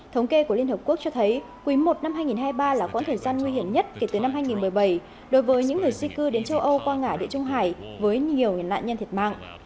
thống kê của liên hợp quốc cho thấy quý i năm hai nghìn hai mươi ba là quãng thời gian nguy hiểm nhất kể từ năm hai nghìn một mươi bảy đối với những người di cư đến châu âu qua ngã địa trung hải với nhiều nạn nhân thiệt mạng